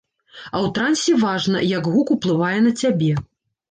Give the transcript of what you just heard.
А ў трансе важна, як гук уплывае на цябе.